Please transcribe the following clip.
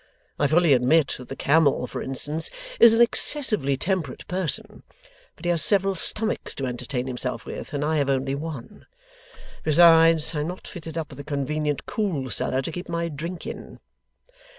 I fully admit that the camel, for instance, is an excessively temperate person; but he has several stomachs to entertain himself with, and I have only one. Besides, I am not fitted up with a convenient cool cellar to keep my drink in.